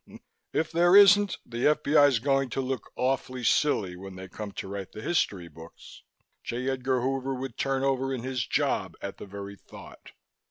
"If there isn't, the F.B.I.'s going to look awfully silly when they come to write the history books. J. Edgar Hoover would turn over in his job at the very thought."